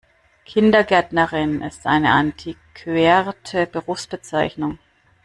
Kindergärtnerin ist eine antiquerte Berufsbezeichnung.